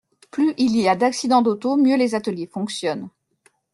Plus il y a d’accidents d’auto, mieux les ateliers fonctionnent.